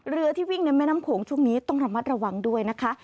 ที่วิ่งในแม่น้ำโขงช่วงนี้ต้องระมัดระวังด้วยนะคะ